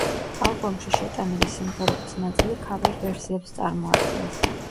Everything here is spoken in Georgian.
ალბომში შეტანილი სიმღერების ნაწილი ქავერ-ვერსიებს წარმოადგენს.